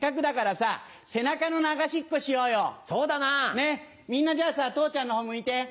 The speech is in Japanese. ねっみんなじゃあさ父ちゃんのほう向いて。